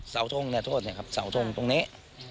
เสาทงเนี่ยโทษเนี่ยครับเสาทงตรงนี้